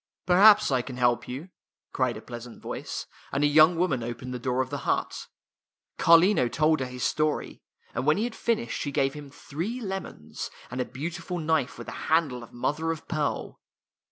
Perhaps I can help you," cried a pleas ant voice, and a young woman opened the door of the hut. Carlino told her his story, and when he had finished she gave him three lemons, and a beautiful knife with a handle of mother of pearl.